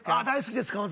大好きです